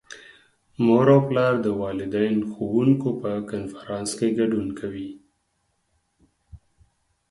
مور او پلار د والدین - ښوونکو په کنفرانس کې ګډون کوي.